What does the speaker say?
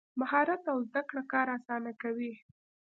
مهارت او زده کړه کار اسانه کوي.